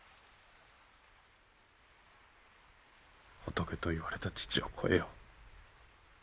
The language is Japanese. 仏と言われた義父を超えよう。